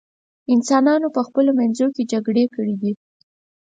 انسانانو په خپلو منځونو کې جګړې کړې دي.